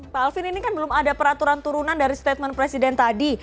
pak alvin ini kan belum ada peraturan turunan dari statement presiden tadi